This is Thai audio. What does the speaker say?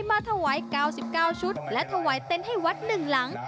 ได้มาถวาย๙๙ชุดและถวายเต้นให้วัดหนึ่งหลัง